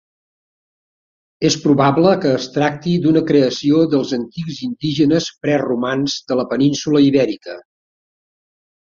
És probable que es tracti d'una creació dels antics indígenes preromans de la península Ibèrica.